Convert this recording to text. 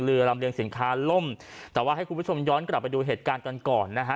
ลำเรียงสินค้าล่มแต่ว่าให้คุณผู้ชมย้อนกลับไปดูเหตุการณ์กันก่อนนะฮะ